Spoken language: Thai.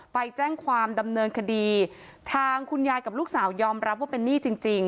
ไปแจ้งความดำเนินคดีทางคุณยายกับลูกสาวยอมรับว่าเป็นหนี้จริงจริง